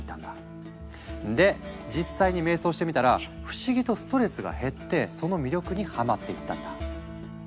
で実際に瞑想してみたら不思議とストレスが減ってその魅力にハマっていったんだ。